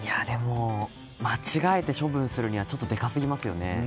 間違えて処分するにはちょっとでかすぎますよね。